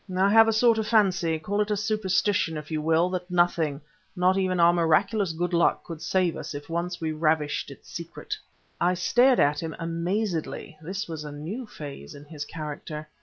I have a sort of fancy, call it superstition if you will, that nothing not even our miraculous good luck could save us if once we ravished its secret." I stared at him amazedly; this was a new phase in his character.